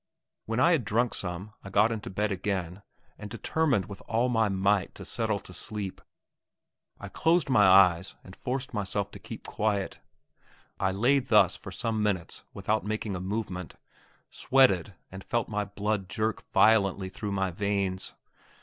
When I had drunk some I got into bed again, and determined with all my might to settle to sleep. I closed my eyes and forced myself to keep quiet. I lay thus for some minutes without making a movement, sweated and felt my blood jerk violently through my veins.